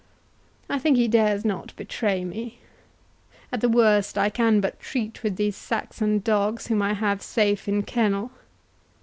I think he dares not betray me—at the worst I can but treat with these Saxon dogs whom I have safe in kennel.